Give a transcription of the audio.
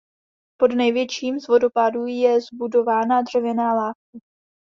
Pod největším z vodopádů je zbudována dřevěná lávka.